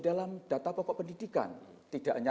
dalam data pokok pendidikan tidak hanya